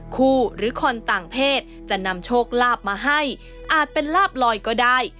หรือคนต่างเพศจะนำโชคลาภมาให้อาจเป็นลาบลอยก็ได้